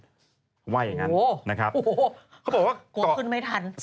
เพราะว่าอย่างนั้นนะครับเขาบอกว่าเกาะขึ้นไม่ทัน